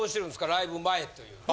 ライブ前というのは。